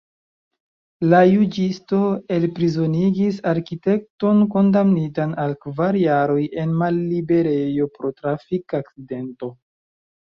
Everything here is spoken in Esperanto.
La juĝisto elprizonigis arkitekton kondamnitan al kvar jaroj en malliberejo pro trafik-akcidento.